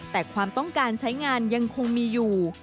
แต่ความต้องการใช้งานยังคงมีอยู่